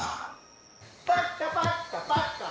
パッカパッカパッカ。